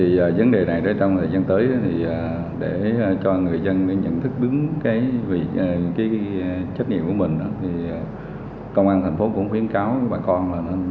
vấn đề này trong thời gian tới để cho người dân nhận thức đứng trách nhiệm của mình công an thành phố cũng khuyến cáo bà con